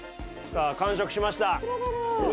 さあ完食しました。